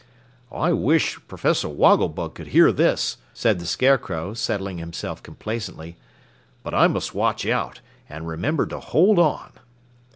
"I wish Professor Wogglebug could hear this," said the Scarecrow, settling himself complacently. "But I must watch out, and remember to hold on."